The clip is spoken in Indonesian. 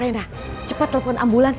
renda cepat telepon ambulans